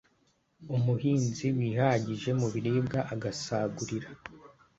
Umuhinzi wihagije mu biribwa agasagurira